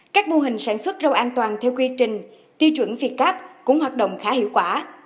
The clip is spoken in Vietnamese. các mô hình sản xuất rau an toàn theo quy trình tiêu chuẩn việt gáp cũng hoạt động khá hiệu quả